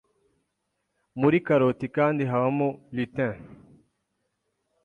Muri karoti kandi habamo lutein